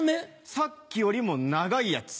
さっきよりも長いやつ。